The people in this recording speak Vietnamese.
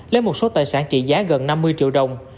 lấy một số tài sản trị giá gần năm mươi triệu đồng